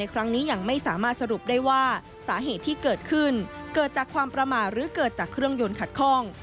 เกิดขึ้นเกิดจากความประมาณหรือเกิดจากเครื่องยนต์ขัดคล่อง